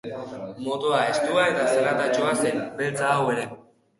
Motoa estua eta zaratatsua zen, beltza hau ere.